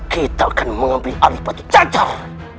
kita akan mengambil alih pecah jajar